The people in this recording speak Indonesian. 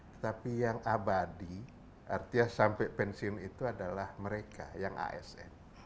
tetapi yang abadi artinya sampai pensiun itu adalah mereka yang asn